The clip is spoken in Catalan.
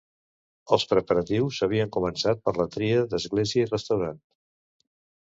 Els preparatius havien començat per la tria d'església i restaurant.